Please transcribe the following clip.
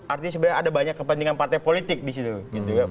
artinya sebenarnya ada banyak kepentingan partai politik di situ